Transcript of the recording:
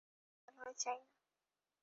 আমি অ্যালয় চাই না।